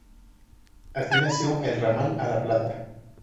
Así nació el ramal a La Plata.